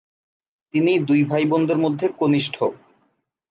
তিনি দুই ভাই বোনদের মধ্যে কনিষ্ঠ।